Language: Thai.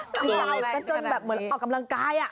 เขย่ากันจนแบบเหมือนออกกำลังกาย